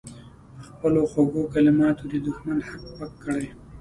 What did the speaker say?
په خپلو خوږو کلماتو دې دښمن هک پک کړي.